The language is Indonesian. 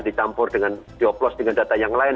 dicampur dengan dioplos dengan data yang lain